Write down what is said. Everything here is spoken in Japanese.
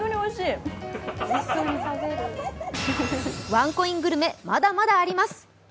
ワンコイングルメまだまだあります。